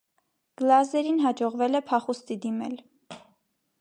Գլազերին հաջողվել է փախուստի դիմել։